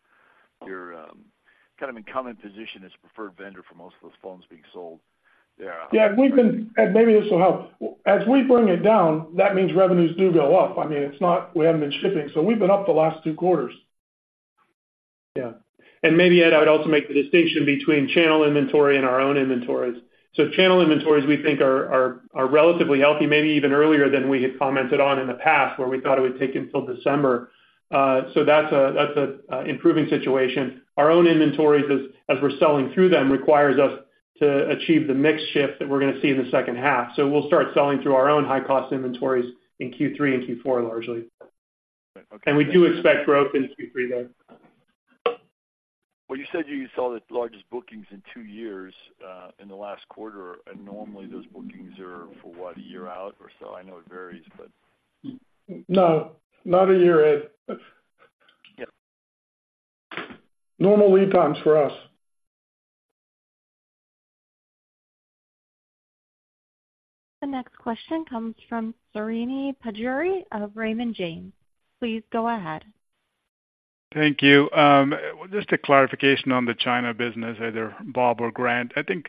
kind of incumbent position as preferred vendor for most of those phones being sold, yeah. Yeah, we've been. Maybe this will help. As we bring it down, that means revenues do go up. I mean, it's not we haven't been shipping, so we've been up the last two quarters. Yeah. And maybe, Ed, I would also make the distinction between channel inventory and our own inventories. So channel inventories, we think are relatively healthy, maybe even earlier than we had commented on in the past, where we thought it would take until December. So that's an improving situation. Our own inventories, as we're selling through them, requires us to achieve the mix shift that we're gonna see in the second half. So we'll start selling through our own high-cost inventories in Q3 and Q4, largely. Okay. We do expect growth in Q3, though. Well, you said you saw the largest bookings in two years, in the last quarter, and normally those bookings are for what, a year out or so? I know it varies, but- No, not a year, Ed. Yeah. Normal lead times for us. The next question comes from Srini Pajjuri of Raymond James. Please go ahead. Thank you. Just a clarification on the China business, either Bob or Grant. I think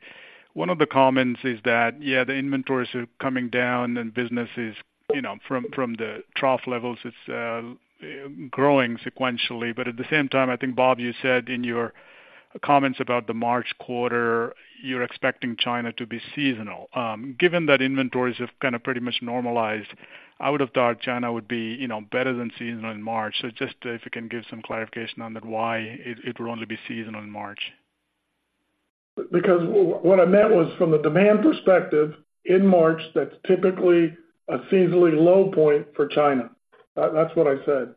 one of the comments is that, yeah, the inventories are coming down and business is, you know, from, from the trough levels, it's growing sequentially. But at the same time, I think, Bob, you said in your comments about the March quarter, you're expecting China to be seasonal. Given that inventories have kind of pretty much normalized, I would have thought China would be, you know, better than seasonal in March. So just if you can give some clarification on that, why it, it would only be seasonal in March? Because what I meant was from the demand perspective, in March, that's typically a seasonally low point for China. That's what I said.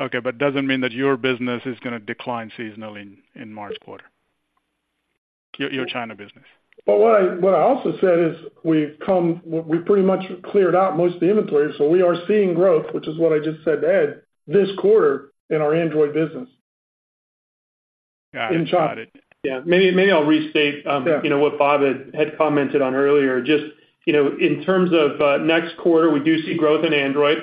Okay, but doesn't mean that your business is gonna decline seasonally in March quarter, your China business? But what I also said is we've come, we pretty much cleared out most of the inventory, so we are seeing growth, which is what I just said to Ed, this quarter in our Android business. Got it. In China. Yeah. Maybe, maybe I'll restate. Yeah... you know, what Bob had commented on earlier. Just, you know, in terms of next quarter, we do see growth in Android.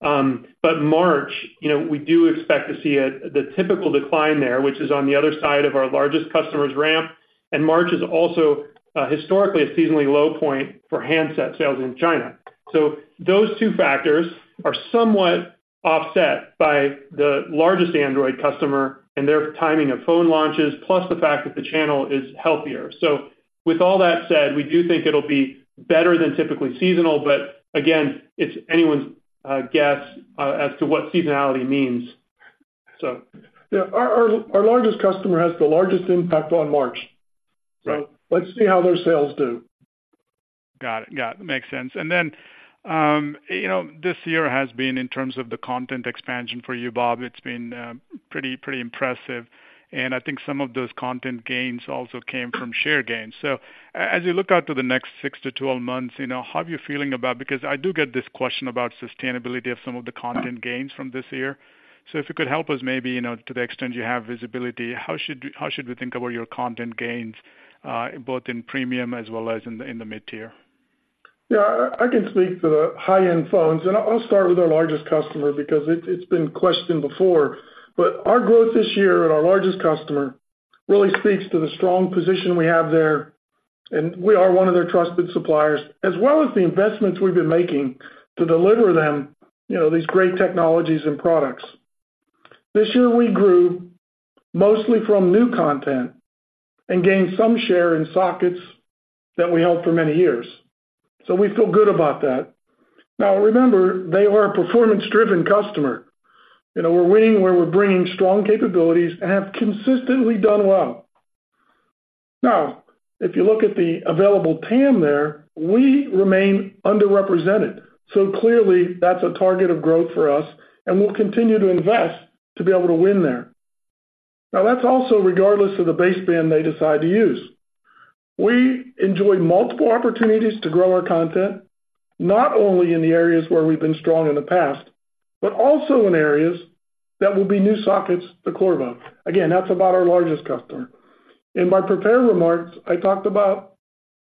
But March, you know, we do expect to see the typical decline there, which is on the other side of our largest customer's ramp, and March is also historically a seasonally low point for handset sales in China. So those two factors are somewhat offset by the largest Android customer and their timing of phone launches, plus the fact that the channel is healthier. So with all that said, we do think it'll be better than typically seasonal, but again, it's anyone's guess as to what seasonality means, so. Yeah, our largest customer has the largest impact on March. Right. Let's see how their sales do. Got it. Got it. Makes sense. And then, you know, this year has been in terms of the content expansion for you, Bob, it's been pretty, pretty impressive, and I think some of those content gains also came from share gains. So as you look out to the next six to twelve months, you know, how are you feeling about... Because I do get this question about sustainability of some of the content gains from this year. So if you could help us maybe, you know, to the extent you have visibility, how should we, how should we think about your content gains, both in premium as well as in the, in the mid-tier? Yeah, I, I can speak to the high-end phones, and I'll start with our largest customer because it, it's been questioned before. But our growth this year at our largest customer really speaks to the strong position we have there, and we are one of their trusted suppliers, as well as the investments we've been making to deliver them, you know, these great technologies and products. This year, we grew mostly from new content and gained some share in sockets that we held for many years. So we feel good about that. Now, remember, they are a performance-driven customer. You know, we're winning where we're bringing strong capabilities and have consistently done well. Now, if you look at the available TAM there, we remain underrepresented. So clearly, that's a target of growth for us, and we'll continue to invest to be able to win there. Now, that's also regardless of the baseband they decide to use. We enjoy multiple opportunities to grow our content, not only in the areas where we've been strong in the past, but also in areas that will be new sockets to Qorvo. Again, that's about our largest customer. In my prepared remarks, I talked about,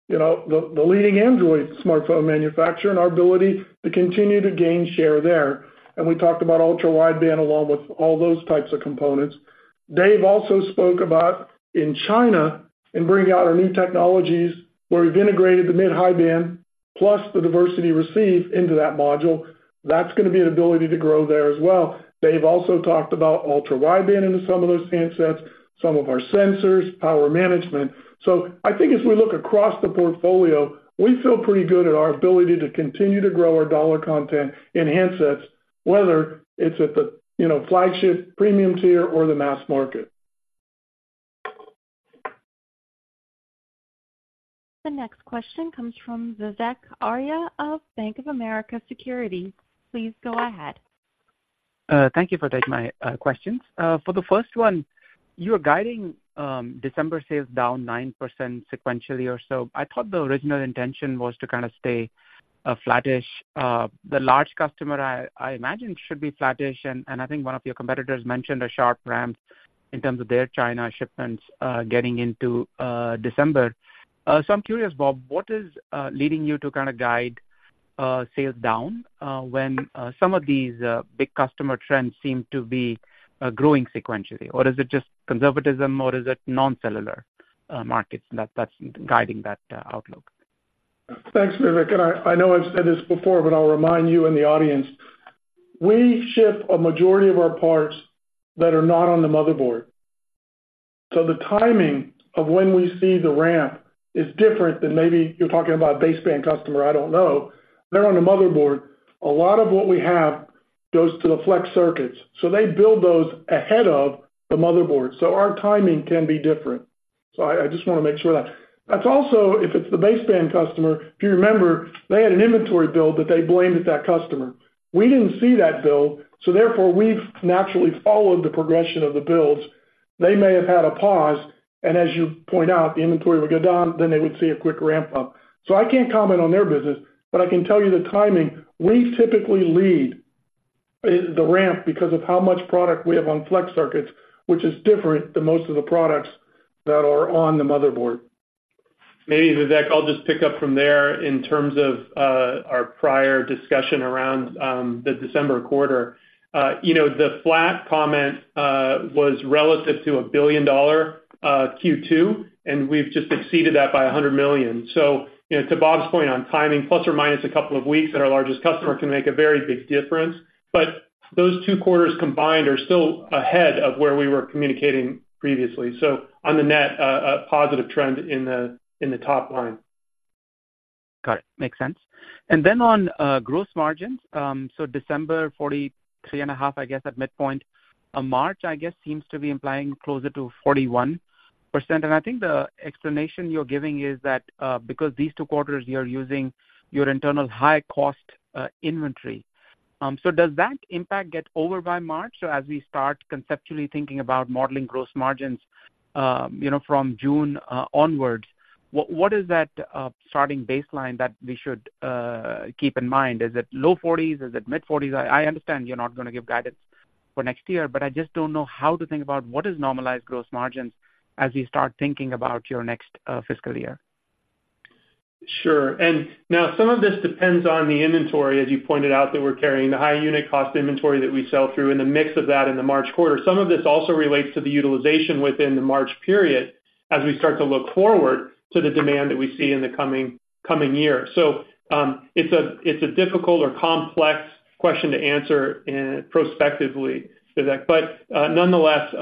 you know, the leading Android smartphone manufacturer and our ability to continue to gain share there. And we talked about ultra-wideband along with all those types of components. Dave also spoke about in China and bringing out our new technologies, where we've integrated the mid-high band plus the diversity receive into that module. That's gonna be an ability to grow there as well. Dave also talked about ultra-wideband into some of those handsets, some of our sensors, power management. So I think as we look across the portfolio, we feel pretty good at our ability to continue to grow our dollar content in handsets, whether it's at the, you know, flagship premium tier or the mass market. The next question comes from Vivek Arya of Bank of America Securities. Please go ahead. Thank you for taking my questions. For the first one, you are guiding December sales down 9% sequentially or so. I thought the original intention was to kind of stay flattish. The large customer, I imagine, should be flattish, and I think one of your competitors mentioned a sharp ramp in terms of their China shipments getting into December. So I'm curious, Bob, what is leading you to kind of guide sales down when some of these big customer trends seem to be growing sequentially? Or is it just conservatism, or is it non-cellular markets that's guiding that outlook? Thanks, Vivek, and I, I know I've said this before, but I'll remind you and the audience, we ship a majority of our parts that are not on the motherboard. So the timing of when we see the ramp is different than maybe you're talking about a baseband customer, I don't know. They're on the motherboard. A lot of what we have goes to the flex circuits, so they build those ahead of the motherboard. So our timing can be different. So I, I just wanna make sure that... That's also, if it's the baseband customer, if you remember, they had an inventory build that they blamed at that customer. We didn't see that build, so therefore, we've naturally followed the progression of the builds. They may have had a pause, and as you point out, the inventory would go down, then they would see a quick ramp up. I can't comment on their business, but I can tell you the timing. We typically lead the ramp because of how much product we have on flex circuits, which is different than most of the products that are on the motherboard. Maybe, Vivek, I'll just pick up from there in terms of, our prior discussion around, the December quarter. You know, the flat comment, was relative to $1 billion Q2, and we've just exceeded that by $100 million. So, you know, to Bob's point on timing, ± a couple of weeks at our largest customer can make a very big difference. But those two quarters combined are still ahead of where we were communicating previously. So on the net, a positive trend in the top line. Got it. Makes sense. And then on gross margins, so December 43.5, I guess, at midpoint. March, I guess, seems to be implying closer to 41%. And I think the explanation you're giving is that because these two quarters you're using your internal high cost inventory. So does that impact get over by March? So as we start conceptually thinking about modeling gross margins, you know, from June onwards, what is that starting baseline that we should keep in mind? Is it low 40s? Is it mid-40s? I understand you're not gonna give guidance for next year, but I just don't know how to think about what is normalized gross margins as we start thinking about your next fiscal year. Sure. Now, some of this depends on the inventory, as you pointed out, that we're carrying the high unit cost inventory that we sell through and the mix of that in the March quarter. Some of this also relates to the utilization within the March period as we start to look forward to the demand that we see in the coming year. So, it's a difficult or complex question to answer prospectively, Vivek. But, nonetheless,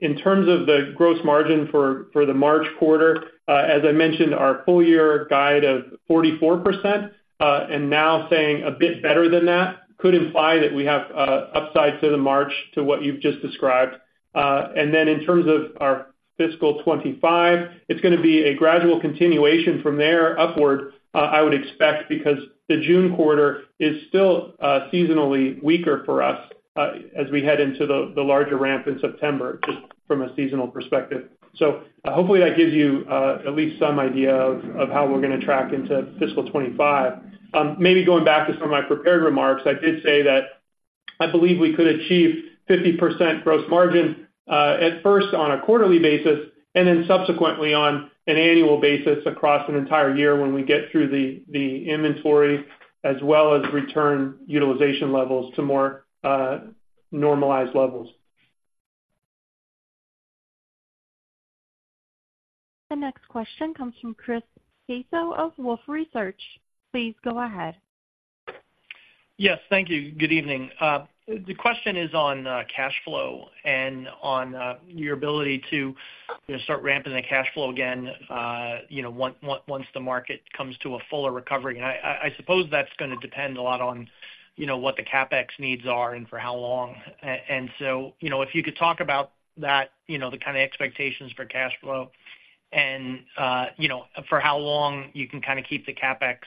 in terms of the gross margin for the March quarter, as I mentioned, our full year guide of 44%, and now saying a bit better than that, could imply that we have upside to the March to what you've just described. And then in terms of our fiscal 2025, it's gonna be a gradual continuation from there upward, I would expect, because the June quarter is still seasonally weaker for us, as we head into the larger ramp in September, just from a seasonal perspective. So hopefully, that gives you at least some idea of how we're gonna track into fiscal 2025. Maybe going back to some of my prepared remarks, I did say that I believe we could achieve 50% gross margin, at first on a quarterly basis, and then subsequently on an annual basis across an entire year when we get through the inventory as well as return utilization levels to more normalized levels. The next question comes from Chris Caso of Wolfe Research. Please go ahead. Yes, thank you. Good evening. The question is on cash flow and on your ability to, you know, start ramping the cash flow again, you know, once the market comes to a fuller recovery. And I suppose that's gonna depend a lot on, you know, what the CapEx needs are and for how long. And so, you know, if you could talk about that, you know, the kind of expectations for cash flow and, you know, for how long you can kind of keep the CapEx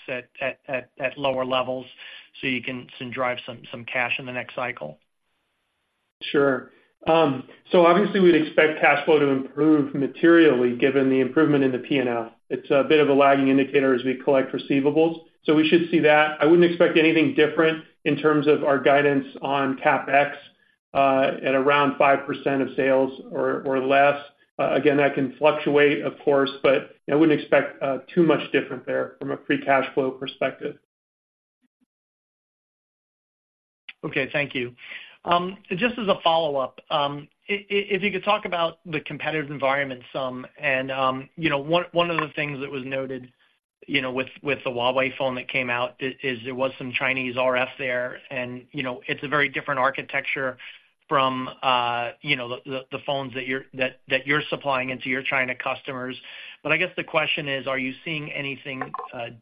at lower levels so you can drive some cash in the next cycle. Sure. So obviously, we'd expect cash flow to improve materially given the improvement in the P&L. It's a bit of a lagging indicator as we collect receivables, so we should see that. I wouldn't expect anything different in terms of our guidance on CapEx at around 5% of sales or less. Again, that can fluctuate, of course, but I wouldn't expect too much different there from a free cash flow perspective. Okay, thank you. Just as a follow-up, if you could talk about the competitive environment some and, you know, one of the things that was noted, you know, with the Huawei phone that came out is there was some Chinese RF there, and, you know, it's a very different architecture from, you know, the phones that you're supplying into your China customers. But I guess the question is: Are you seeing anything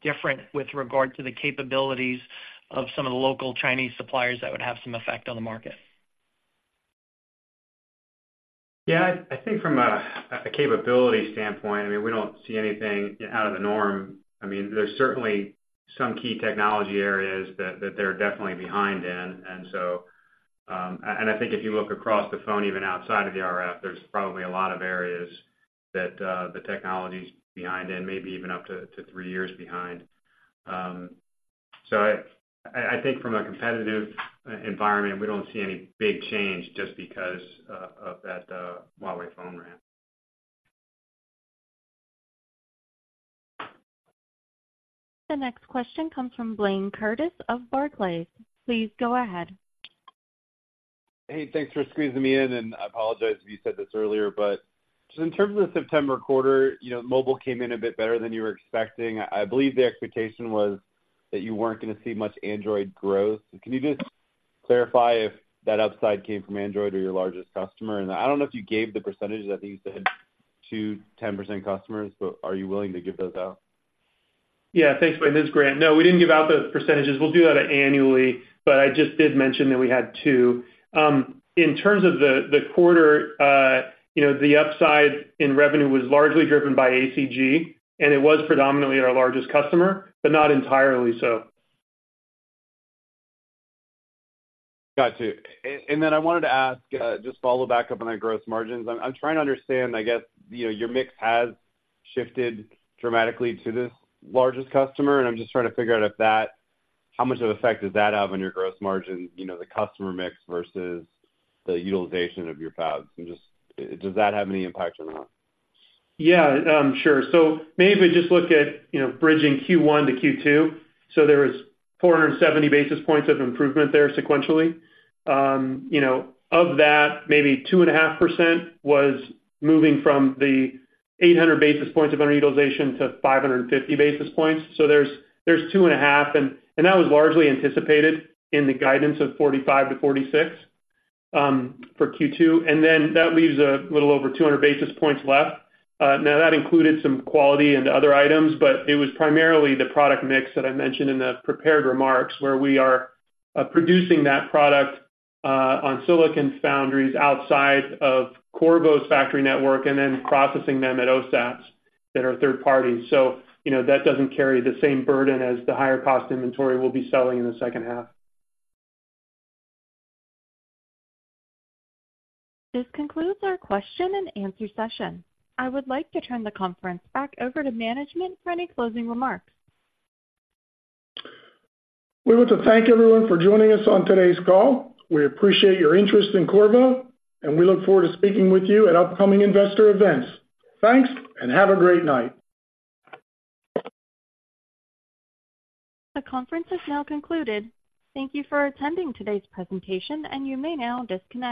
different with regard to the capabilities of some of the local Chinese suppliers that would have some effect on the market?... Yeah, I think from a capability standpoint, I mean, we don't see anything out of the norm. I mean, there's certainly some key technology areas that they're definitely behind in. And so, I think if you look across the phone, even outside of the RF, there's probably a lot of areas that the technology's behind in, maybe even up to three years behind. So I think from a competitive environment, we don't see any big change just because of that Huawei phone ramp. The next question comes from Blayne Curtis of Barclays. Please go ahead. Hey, thanks for squeezing me in, and I apologize if you said this earlier. But just in terms of the September quarter, you know, mobile came in a bit better than you were expecting. I believe the expectation was that you weren't gonna see much Android growth. Can you just clarify if that upside came from Android or your largest customer? And I don't know if you gave the percentages. I think you said two 10% customers, but are you willing to give those out? Yeah. Thanks, Blaine. This is Grant. No, we didn't give out the percentages. We'll do that annually, but I just did mention that we had 2. In terms of the quarter, you know, the upside in revenue was largely driven by ACG, and it was predominantly our largest customer, but not entirely so. Got you. And then I wanted to ask, just follow up on our gross margins. I'm trying to understand, I guess, you know, your mix has shifted dramatically to this largest customer, and I'm just trying to figure out if that—how much of an effect does that have on your gross margin, you know, the customer mix versus the utilization of your fabs? And just, does that have any impact or not? Yeah, sure. Maybe if we just look at, you know, bridging Q1 to Q2, there was 470 basis points of improvement there sequentially. You know, of that, maybe 2.5% was moving from the 800 basis points of underutilization to 550 basis points. There's 2.5, and that was largely anticipated in the guidance of 45%-46% for Q2. That leaves a little over 200 basis points left. That included some quality and other items, but it was primarily the product mix that I mentioned in the prepared remarks, where we are, you know, producing that product on silicon foundries outside of Qorvo's factory network, and then processing them at OSATs that are third party. You know, that doesn't carry the same burden as the higher cost inventory we'll be selling in the second half. This concludes our question and answer session. I would like to turn the conference back over to management for any closing remarks. We want to thank everyone for joining us on today's call. We appreciate your interest in Qorvo, and we look forward to speaking with you at upcoming investor events. Thanks, and have a great night. The conference is now concluded. Thank you for attending today's presentation, and you may now disconnect.